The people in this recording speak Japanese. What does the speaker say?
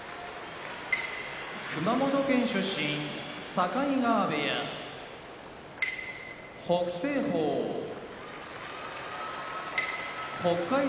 熊本県出身境川部屋北青鵬北海道出身